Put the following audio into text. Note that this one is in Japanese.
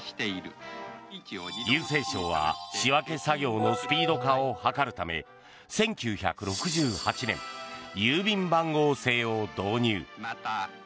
郵政省は仕分け作業のスピード化を図るため１９６８年、郵便番号制を導入。